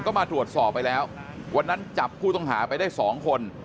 ก็มาตรวจสอบไปแล้ววันนั้นจับผู้ต้องหาไปได้สองคน